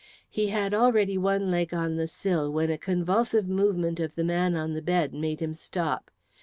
He had already one leg on the sill when a convulsive movement of the man on the bed made him stop.